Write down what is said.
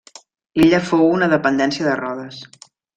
L'illa fou una dependència de Rodes.